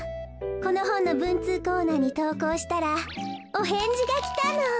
このほんのぶんつうコーナーにとうこうしたらおへんじがきたの。